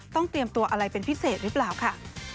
เตรียมตัวอะไรเป็นพิเศษหรือเปล่าค่ะ